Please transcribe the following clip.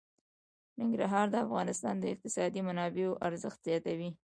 ننګرهار د افغانستان د اقتصادي منابعو ارزښت زیاتوي.